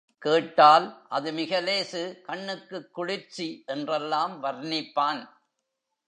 கேட்டால், அது மிக லேசு கண்ணுக்குக் குளிர்ச்சி என்றெல்லாம் வர்ணிப்பான்.